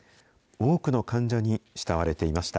多くの患者に慕われていました。